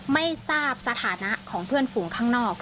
ไม่ทราบสถานะของเพื่อนฝูงข้างนอก